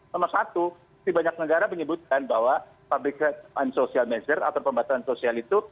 nomor satu di banyak negara menyebutkan bahwa public and social measure atau pembatasan sosial itu